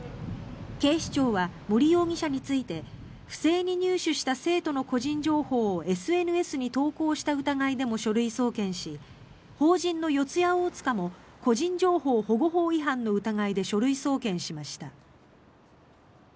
警視庁は森容疑者について不正に入手した生徒の個人情報をＳＮＳに投稿した疑いでも書類送検し法人の四谷大塚も個人情報保護法違反の疑いで書類送検しました。